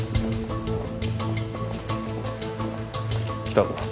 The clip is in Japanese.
来たぞ。